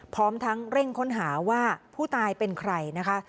พร้อมทั้งเร่งค้นหาว่าผู้ตายเป็นใครนะคะ